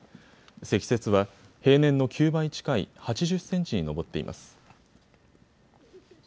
積雪は平年の９倍近い、８０センチに上っています。